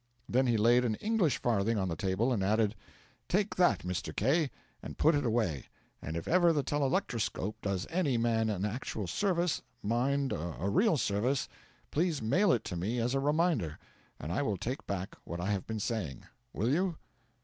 Then he laid an English farthing on the table, and added: 'Take that, Mr. K., and put it away; and if ever the telelectroscope does any man an actual service mind, a real service please mail it to me as a reminder, and I will take back what I have been saying. Will you?'